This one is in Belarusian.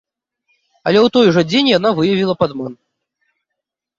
Але ў той жа дзень яна выявіла падман.